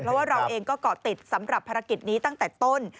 เพราะว่าเราเองก็เกาะติดสำหรับภารกิจนี้ตั้งแต่ต้น